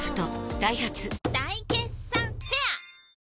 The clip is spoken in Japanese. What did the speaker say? ダイハツ大決算フェア